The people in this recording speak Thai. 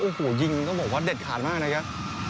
โอ้โหยิงต้องบอกว่าเด็ดขาดมากนะครับ